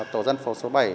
tổ dân phố số bảy